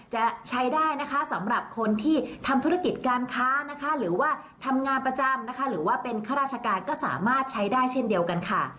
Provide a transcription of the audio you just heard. จะใช้ได้นะคะสำหรับคนที่ทำธุรกิจการค้านะคะหรือว่าทำงานประจำนะคะหรือว่าเป็นข้าราชการก็สามารถใช้ได้เช่นเดียวกันค่ะ